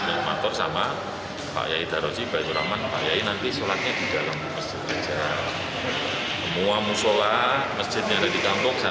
mengantar sama pak yai darussalam nanti sholatnya di dalam semua musola masjidnya di kampung saya